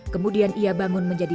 kemudian ia bangun menjadi